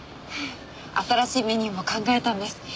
新しいメニューも考えたんです。